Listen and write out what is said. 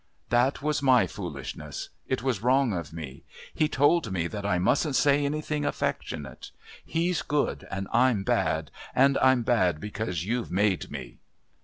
"That was my foolishness. It was wrong of me. He told me that I mustn't say anything affectionate. He's good and I'm bad. And I'm bad because you've made me."